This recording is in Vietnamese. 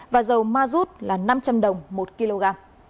giá dầu ma rút là năm trăm linh đồng mỗi kg